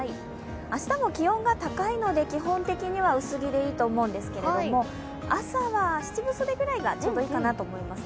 明日も気温が高いので基本的には薄着でいいと思うんですが朝は、七分袖ぐらいがちょうどいいかと思います。